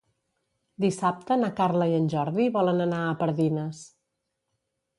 Dissabte na Carla i en Jordi volen anar a Pardines.